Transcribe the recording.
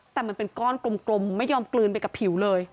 แต่มันเป็นก้อนกลมไม่ยอมกลืนไปกับผิวเลย